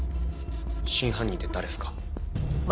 真犯人って誰すか？